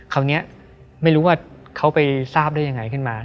คราวนี้ไม่รู้ว่าเขาไปทราบได้ยังไงขึ้นมา